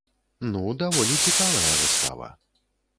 Ну, даволі цікавая выстава.